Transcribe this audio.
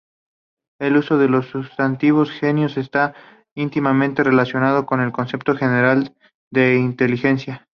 El uso del sustantivo "genio" está íntimamente relacionado con el concepto general de inteligencia.